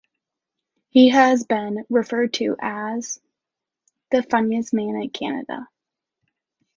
He has been referred to as ...the funniest man in Canada.